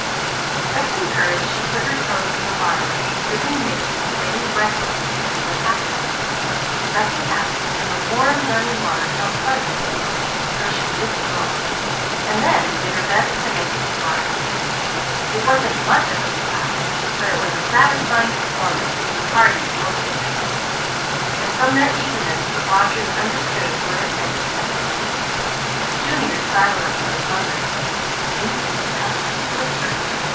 Thus encouraged she put her toes in the water, gripping Mickey and waiting breathlessly to see what happened. Nothing happened, while the warm, running water felt pleasant, so she dipped lower, and then did her best to make it splash. It wasn't much of a splash, but it was a satisfying performance to the parties most interested, and from their eagerness the watchers understood what it meant to them. Junior sidled up to his mother. "Ain't that tough?" he whispered.